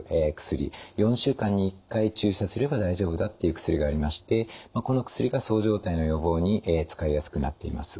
４週間に１回注射すれば大丈夫だという薬がありましてこの薬がそう状態の予防に使いやすくなっています。